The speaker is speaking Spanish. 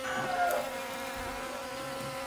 Los manantiales son muy abundantes en todo el municipio.